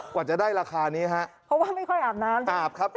กว่าจะได้ราคานี้ฮะเพราะว่าไม่ค่อยอาบน้ำอาบครับ